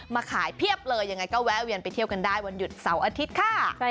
มาขายเพียบเลยยังไงก็แวะเวียนไปเที่ยวกันได้วันหยุดเสาร์อาทิตย์ค่ะ